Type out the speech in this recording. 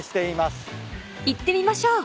［行ってみましょう］